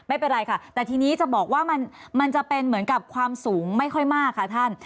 ไม่เป็นไรค่ะแต่ทีนี้จะบอกว่ามันจะเป็นเหมือนกับความสูงไม่ค่อยมากค่ะท่าน